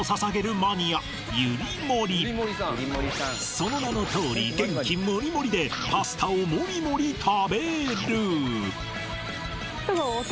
その名のとおり元気モリモリでパスタをモリモリ食べる